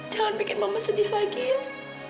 jangan bikin mama sedih lagi ya